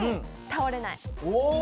倒れない。